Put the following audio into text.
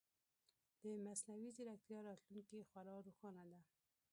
د مصنوعي ځیرکتیا راتلونکې خورا روښانه ده.